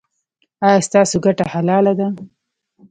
ایا ستاسو ګټه حلاله ده؟